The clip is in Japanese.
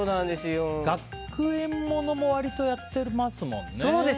学園物も割とやってますもんね。